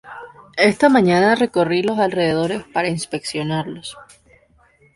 Esta mañana recorrí los alrededores para inspeccionarlos